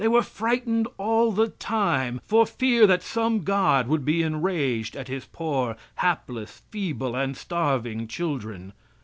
They were frightened all the time for fear that some god would be enraged at his poor, hapless, feeble and starving children.